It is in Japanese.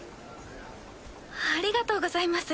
ありがとうございます。